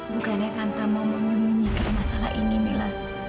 bukannya tante mau menyelesaikan masalah ini mila